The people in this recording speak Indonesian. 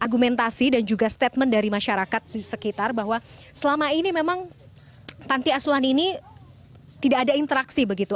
argumentasi dan juga statement dari masyarakat sekitar bahwa selama ini memang panti asuhan ini tidak ada interaksi begitu